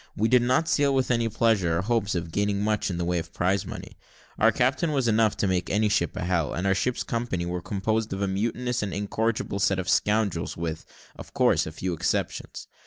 We did not sail with any pleasure, or hopes of gaining much in the way of prize money. Our captain was enough to make any ship a hell; and our ship's company were composed of a mutinous and incorrigible set of scoundrels, with, of course, a few exceptions.